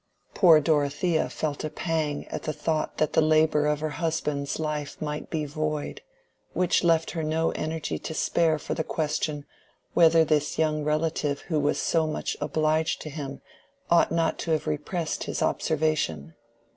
Poor Dorothea felt a pang at the thought that the labor of her husband's life might be void, which left her no energy to spare for the question whether this young relative who was so much obliged to him ought not to have repressed his observation.